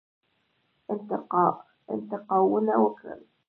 انتقاونه وکړل.